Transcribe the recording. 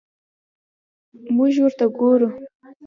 موږ ورته ګورو.